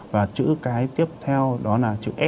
và chữ cái tiếp theo đó là chữ s